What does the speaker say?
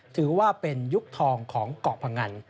ถือว่าเป็นยุคทองของเกาะพงัน